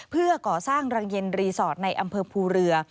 เพื่อก่อสร้างรังเย็นรีสอร์ทในอำเภอภูเรือ